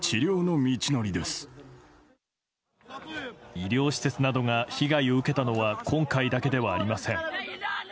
医療施設などが被害を受けたのは今回だけではありません。